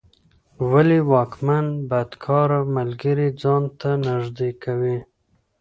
ولي واکمن بدکاره ملګري ځان ته نږدې کوي؟